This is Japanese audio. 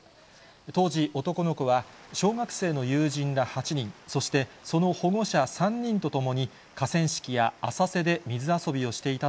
当時、男の子は小学生の友人ら８人、そして、その保護者３人と共に、河川敷や浅瀬で水遊びをしていた